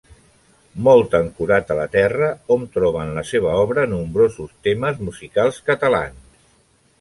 Molt ancorat a la terra, hom troba en la seva obra nombrosos temes musicals catalans.